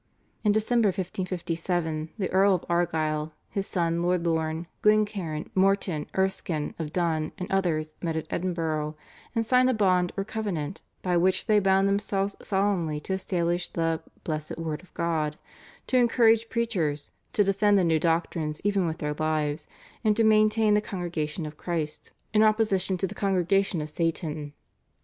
In December 1557 the Earl of Argyll, his son Lord Lorne, Glencairn, Morton, Erskine of Dun, and others, met at Edinburgh and signed a bond or covenant, by which they bound themselves solemnly to establish the "Blessed Word of God," to encourage preachers, to defend the new doctrines even with their lives, and to maintain the Congregation of Christ in opposition to the Congregation of Satan.